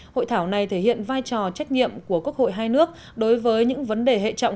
hội thảo này thể hiện vai trò trách nhiệm của quốc hội hai nước đối với những vấn đề hệ trọng